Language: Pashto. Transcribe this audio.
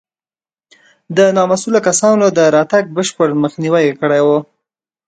د نامسوولو کسانو د راتګ بشپړ مخنیوی یې کړی و.